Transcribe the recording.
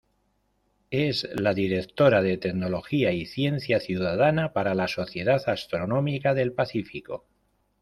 Es la Directora de Tecnología y Ciencia Ciudadana para la Sociedad Astronómica del Pacífico.